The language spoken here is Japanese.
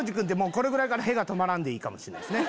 これぐらいから屁が止まらんでいいかもしんないですね。